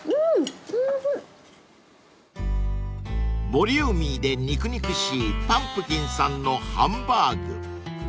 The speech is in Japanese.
［ボリューミーで肉々しいぱんぷきんさんのハンバーグ］